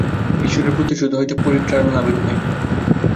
ঈশ্বরের প্রতিশোধ হইতে পরিত্রাণ লাভের উপায় নাই।